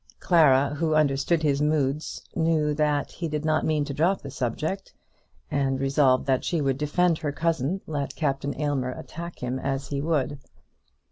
Clara, who understood his moods, knew that he did not mean to drop the subject, and resolved that she would defend her cousin, let Captain Aylmer attack him as he would.